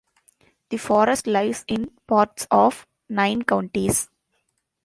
The forest lies in parts of nine counties.